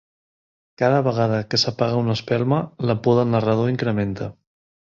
Cada vegada que s'apaga una espelma, la por del narrador incrementa.